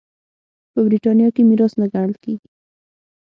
په برېټانیا کې میراث نه ګڼل کېږي.